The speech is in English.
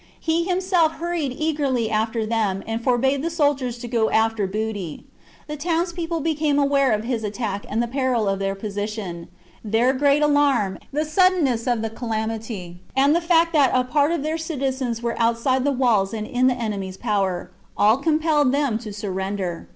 He himself hurried eagerly after them, and forbade the soldiers to go after booty. The towns people became aware of his attack and the peril of their position ; their great alarm, the suddenness of the calamity, and the fact that a part of their citizens were outside the walls and in the enemy's power, all compelled them to surrender.